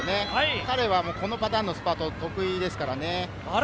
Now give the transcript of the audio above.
彼はこのパターンのスパートが得意ですからね。